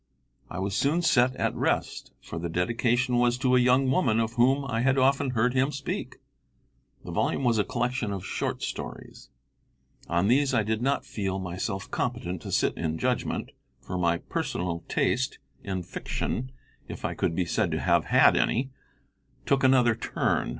I was soon set at rest, for the dedication was to a young woman of whom I had often heard him speak. The volume was a collection of short stories. On these I did not feel myself competent to sit in judgment, for my personal taste in fiction, if I could be said to have had any, took another turn.